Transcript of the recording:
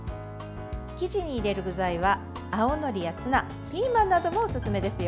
生地に入れる具材は青のりやツナピーマンなどもおすすめですよ。